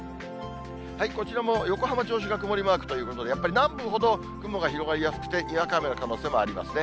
こちらも横浜、銚子が曇りマークということで、やっぱり南部ほど雲が広がりやすくて、にわか雨の可能性もありますね。